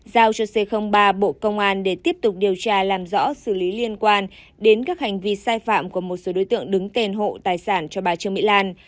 giao cho c ba bộ công an để tiếp tục điều tra làm rõ xử lý liên quan đến các hành vi sai phạm của một số đối tượng đứng tên hộ tài sản cho bà trương mỹ lan